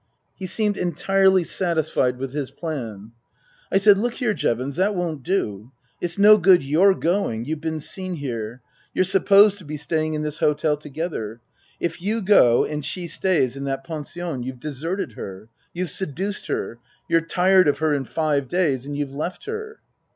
He seemed entirely satisfied with his plan. I said, " Look here, Jevons, that won't do. It's no good your going. You've been seen here. You're supposed to be staying in this hotel together. If you go and she stays in that pension you've deserted her. You've seduced her. You're tired of her in five days and you've left her."